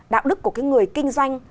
đạo đức của cái người kinh doanh